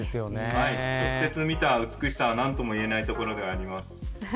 直接見た美しさは、何とも言えないところではあります。